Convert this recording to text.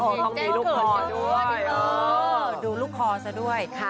มีวันนี้รูปคอสักด้วย